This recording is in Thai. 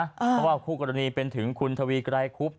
เพราะว่าคู่กรณีเป็นถึงคุณทวีไกรคุบ